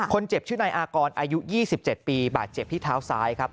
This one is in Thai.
ชื่อนายอากรอายุ๒๗ปีบาดเจ็บที่เท้าซ้ายครับ